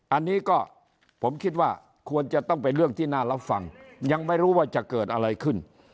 อันนี้ก็ผมคิดว่าควรจะต้องเป็นเรื่องที่น่ารับฟังยังไม่รู้ว่าจะเกิดอะไรขึ้น